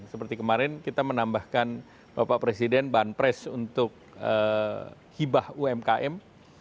seperti kemarin kita menambahkan bapak presiden bahan pres untuk hibah umkm